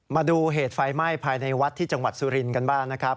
มาดูเหตุไฟไหม้ภายในวัดที่จังหวัดสุรินทร์กันบ้างนะครับ